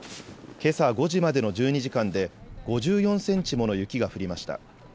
けさ５時までの１２時間で５４センチもの雪が降りました。